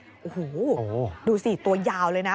โอ้โหดูสิตัวยาวเลยนะ